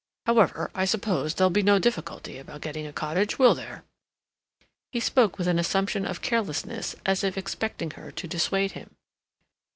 However, I suppose there'll be no difficulty about getting a cottage, will there?" He spoke with an assumption of carelessness as if expecting her to dissuade him.